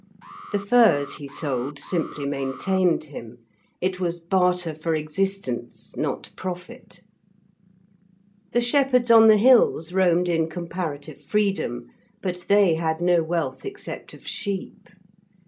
The furs he sold simply maintained him; it was barter for existence, not profit. The shepherds on the hills roamed in comparative freedom, but they had no wealth except of sheep.